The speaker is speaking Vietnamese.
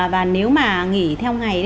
và nếu mà nghỉ theo ngày